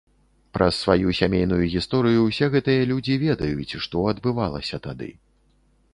Праз сваю сямейную гісторыю ўсе гэтыя людзі ведаюць, што адбывалася тады.